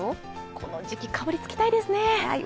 この時期、かぶりつきたいですね